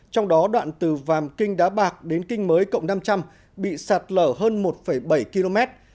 trong đó đoạn từ vàm kinh đá bạc đến kinh mới cộng năm trăm linh bị sạt lở hơn một bảy km